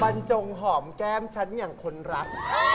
จงหอมแก้มฉันอย่างคนรัก